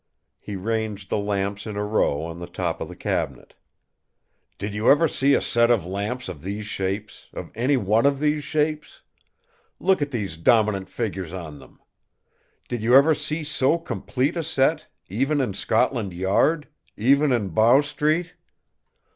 He ranged the lamps in a row on the top of the cabinet. "Did you ever see a set of lamps of these shapes—of any one of these shapes? Look at these dominant figures on them! Did you ever see so complete a set—even in Scotland Yard; even in Bow Street?